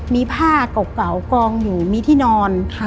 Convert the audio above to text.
มีผ้าเก่ากองอยู่มีที่นอน